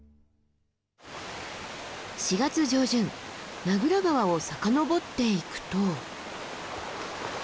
４月上旬名蔵川を遡っていくと。